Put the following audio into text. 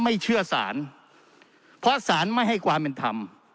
ไม่เชื่อสารเพราะสารไม่ให้ความเป็นธรรม